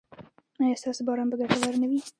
ایا ستاسو باران به ګټور نه وي؟